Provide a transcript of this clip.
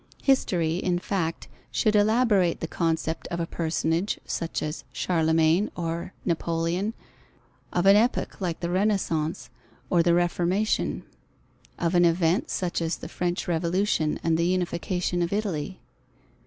History, in fact, should elaborate the concept of a personage such as Charlemagne or Napoleon; of an epoch, like the Renaissance or the Reformation; of an event, such as the French Revolution and the Unification of Italy.